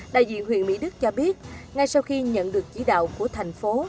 đại diện huyện mỹ đức cho biết ngay sau khi nhận được chỉ đạo của thành phố